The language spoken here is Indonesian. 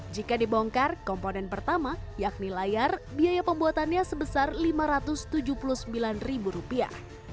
jika dibongkar komponen pertama yakni layar biaya pembuatannya sebesar lima ratus tujuh puluh sembilan ribu rupiah